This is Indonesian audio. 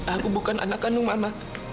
aku bukan anak kandung mama